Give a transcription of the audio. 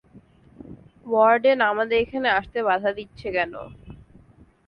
Warden আমাদের এখানে আসতে বাধা দিচ্ছে কেন?